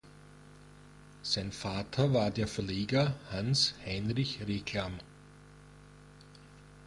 Sein Vater war der Verleger Hans Heinrich Reclam.